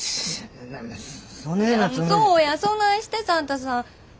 そうやそないしてサンタさん。